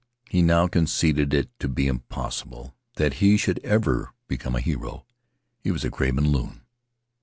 He now conceded it to be impossible that he should ever become a hero. He was a craven loon.